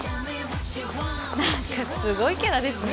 何かすごいキャラですね